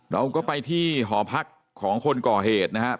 เราก็ไปที่หอพักของคนก่อเหตุนะครับ